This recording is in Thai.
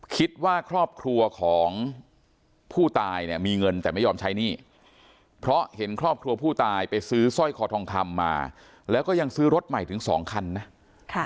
คิดว่าครอบครัวของผู้ตายเนี่ยมีเงินแต่ไม่ยอมใช้หนี้เพราะเห็นครอบครัวผู้ตายไปซื้อสร้อยคอทองคำมาแล้วก็ยังซื้อรถใหม่ถึงสองคันนะ